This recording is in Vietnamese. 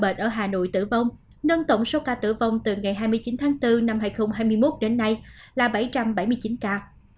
bệnh ở hà nội tử vong nâng tổng số ca tử vong từ ngày hai mươi chín tháng bốn năm hai nghìn hai mươi một đến nay là bảy trăm bảy mươi chín ca